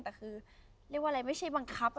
แต่คือเรียกว่าอะไรไม่ใช่บังคับ